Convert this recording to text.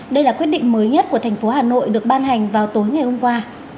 đây là quyết định mới nhất của thành phố hà nội được ban hành vào tối ngày hôm qua